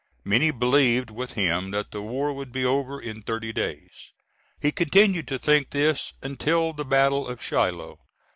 Many believed with him that the war would be over in thirty days. He continued to think this until the battle of Shiloh.